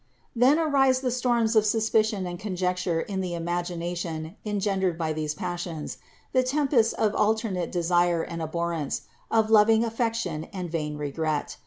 Then arise the storms of suspicion and conjec ture in the imagination, engendered by these passions; the tempests of alternate desire and abhorrence; of lov ing affection and vain regret.